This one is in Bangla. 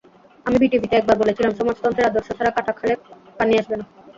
আমি বিটিভিতে একবার বলেছিলাম, সমাজতন্ত্রের আদর্শ ছাড়া কাটা খালে পানি আসবে না।